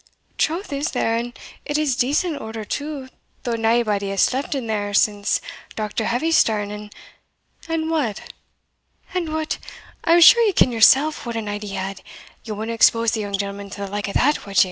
"Troth is there, and it is in decent order too, though naebody has sleepit there since Dr. Heavysterne, and" "And what?" "And what! I am sure ye ken yoursell what a night he had ye wadna expose the young gentleman to the like o' that, wad ye?"